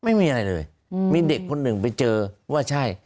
ไม่มีอะไรเลยมีเด็กคนหนึ่งไปเจอว่าใช่